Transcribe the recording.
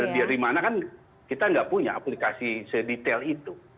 dari mana kan kita nggak punya aplikasi sedetail itu